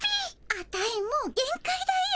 アタイもう限界だよ。